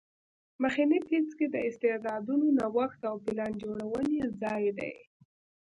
مخنی پیڅکی د استعدادونو نوښت او پلان جوړونې ځای دی